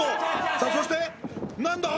さあそして何だ？